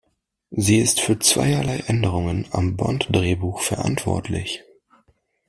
Sie ist für zweierlei Änderungen am Bond-Drehbuch verantwortlich.